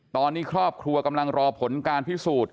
ตอนนี้ครอบครัวกำลังรอผลการพิสูจน์